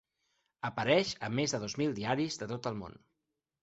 Apareix a més de dos mil diaris de tot el món.